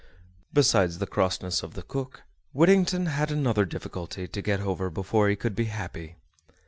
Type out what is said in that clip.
Besides the crossness of the cook, Whittington had another difficulty to get over before he could be happy.